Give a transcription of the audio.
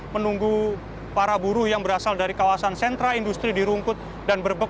menunggu para buruh yang berasal dari kawasan sentra industri di rumput dan berbek